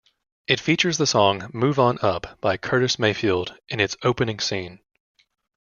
It features the song "Move On Up" by Curtis Mayfield in its opening scene.